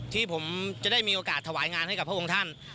ที่ผมจะได้มีโอกาสถวายงานให้กับพระองค์ท่าน